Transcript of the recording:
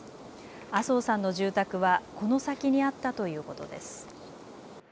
麻生さんの住宅はこの先にあったということです。